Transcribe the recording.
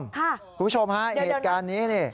คุณผู้ชมฮะเหตุการณ์นี้นี่